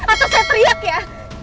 atau saya teriak ya